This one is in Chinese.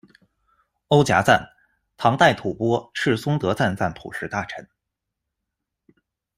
区颊赞，唐代吐蕃赤松德赞赞普时大臣。